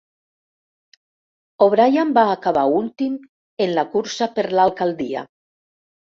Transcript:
O'Brien va acabar últim en la cursa per l'alcaldia.